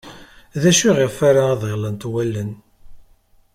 D acu iɣef ara ḍillent wallen?